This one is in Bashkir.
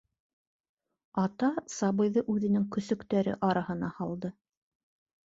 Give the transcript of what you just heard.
Ата сабыйҙы үҙенең көсөктәре араһына һалды.